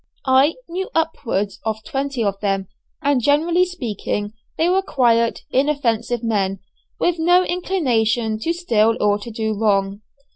I knew upwards of twenty of them, and generally speaking, they were quiet, inoffensive men, with no inclination to steal or to do wrong.